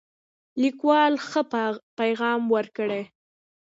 لیکوال ښه پیغام ورکړی.